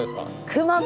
熊本！